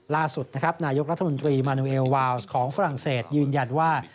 ล่าสุดนะครับนายกรัฐมนตรีมานูเอลวาวส์ของฝรั่งเศสยืนยันว่า